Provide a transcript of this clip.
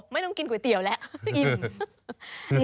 ไม่ต้องกินก๋วยเตี๋ยวแล้วอิ่ม